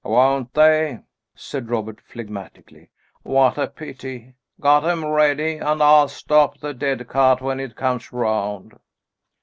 "Won't they?" said Robert, phlegmatically; "what a pity! Get 'em ready, and I'll stop the dead cart when it comes round."